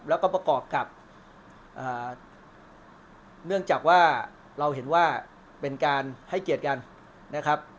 แล้วก็ประกอบกับเนื่องจากว่าเราเห็นว่าเป็นการให้เกียรติกันนะครับ